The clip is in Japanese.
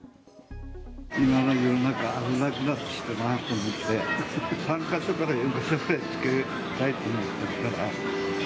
今の世の中、危なくなってきたなと思って、３か所から４か所ぐらい、つけたいと思って。